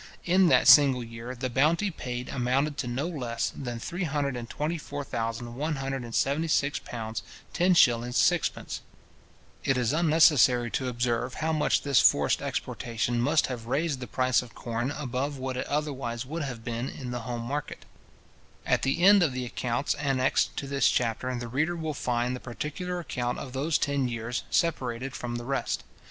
In that single year, the bounty paid amounted to no less than £ 324,176:10:6. {See Tracts on the Corn Trade, Tract 3,} It is unnecessary to observe how much this forced exportation must have raised the price of corn above what it otherwise would have been in the home market. At the end of the accounts annexed to this chapter the reader will find the particular account of those ten years separated from the rest.